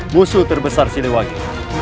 musuh terbesar siliwangi